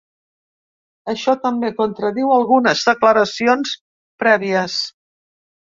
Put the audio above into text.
Això també contradiu algunes declaracions prèvies.